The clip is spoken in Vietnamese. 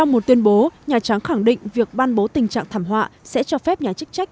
một tuyên bố nhà trắng khẳng định việc ban bố tình trạng thảm họa sẽ cho phép nhà chức trách